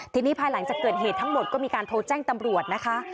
ทีนี้ภายหลังจากเกิดเหตุทั้งหมดก็มีการโทรแจ้งตำรวจนะคะ